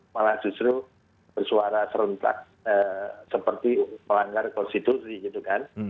malah justru bersuara serentak seperti melanggar konstitusi gitu kan